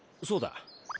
そうだ。